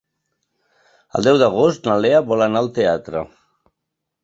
El deu d'agost na Lea vol anar al teatre.